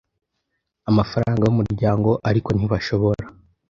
amafaranga y umuryango ariko ntibashobora